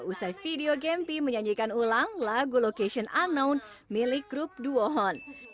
usai video gempi menyanyikan ulang lagu location unknown milik grup duohon